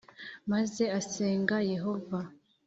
Maze asenga yehova